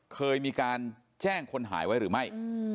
เคยมีการแจ้งคนหายไว้หรือไม่